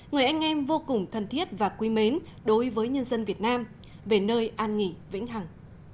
người anh em vô cùng thân thiết và quý mến đối với nhân dân việt nam về nơi an nghỉ vĩnh hằng